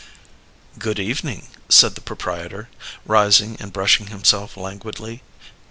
"Good evening," said the proprietor, rising and brushing himself languidly.